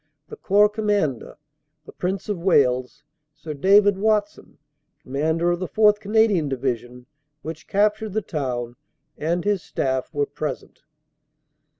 The Corps Commander, the Prince of Wales, Sir David Watson, Commander of the 4th. Canadian Division, which captured the town, and his staff were present.